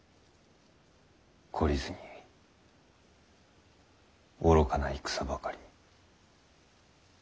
懲りずに愚かな戦ばかり。